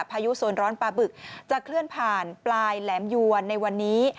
พายุโซนร้อนปลาบึกจะเคลื่อนผ่านปลายแหลมยวนในวันนี้